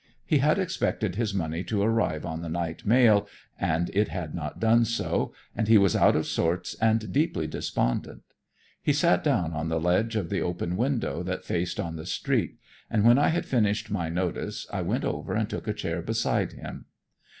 He had expected his money to arrive on the night mail and it had not done so, and he was out of sorts and deeply despondent. He sat down on the ledge of the open window that faced on the street, and when I had finished my notice I went over and took a chair beside him.